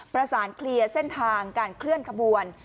เคลียร์เส้นทางการเคลื่อนขบวน